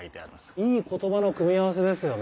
いい言葉の組み合わせですよね。